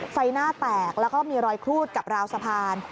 ไฟหน้าแตกแล้วก็มีรอยครูดกับราวสะพาน